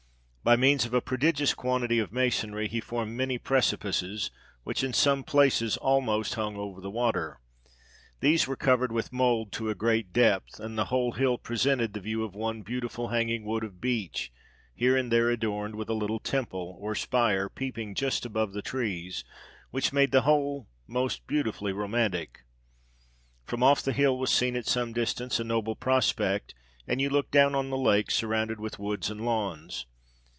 By means of a pro digious quantity of masonry, he formed many precipices, which in some places, almost hung over the water ; these were covered with mould to a great depth, and the whole hill presented the view of one beautiful hang ing wood of beech, here and there adorned with a little temple or spire, peeping just above the trees ; which made the whole most bea^tifullyLromantic. From off the hill was seen, at some distance, a noble prospect, and you looked down on the lake, surrounded with woods and lawns.